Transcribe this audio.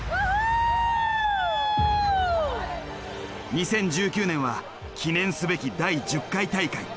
２０１９年は記念すべき第１０回大会。